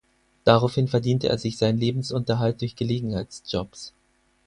Daraufhin verdiente er sich seinen Lebensunterhalt durch Gelegenheitsjobs.